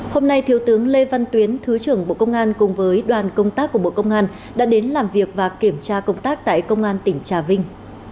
hôm nay thiếu tướng lê văn tuyến thứ trưởng bộ công an cùng với đoàn công tác của bộ công an đã đến làm việc và kiểm tra công tác tại công an tỉnh trà vinh